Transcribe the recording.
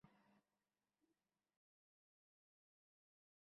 পকেটে স্মার্টফোন নিয়ে ঘোরা মানে একজন অনুসরণকারীকে নিয়ে ঘোরা—এ কথা এখন সবাই জানেন।